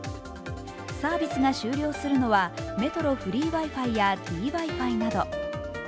サービスが終了するのは、ＭｅｔｒｏＦｒｅｅＷｉ−ＦｉやｄＷｉ−Ｆｉなど。